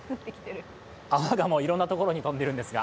泡がいろんなところに飛んでいるんですが。